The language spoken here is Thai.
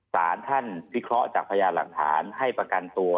สารท่านพิเคราะห์จากพยานหลักฐานให้ประกันตัว